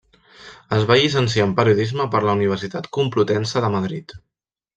Es va llicenciar en Periodisme per la Universitat Complutense de Madrid.